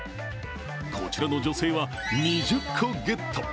こちらの女性は、２０個ゲット。